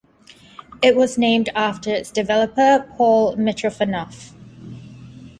It was named after its developer, Paul Mitrofanoff.